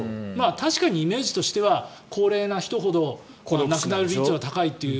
確かにイメージとしては高齢な人ほど亡くなる率は高いという。